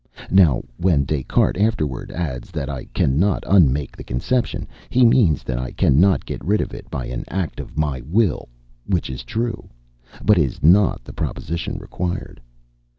Now, when Des Cartes afterwards adds that I cannot unmake the conception, he means that I cannot get rid of it by an act of my will, which is true; but is not the proposition required.